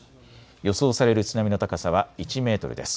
予想される津波の高さは１メートルです。